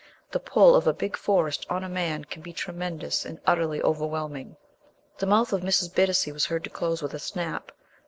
The pull of a big forest on a man can be tremendous and utterly overwhelming." The mouth of Mrs. Bittacy was heard to close with a snap.